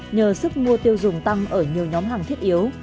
nhờ sức mua tiêu dùng tăng ở nhiều nhóm hàng thiết yếu